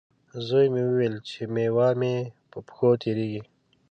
زوی مې وویلې، چې میوه مې په پښو تېرېږي.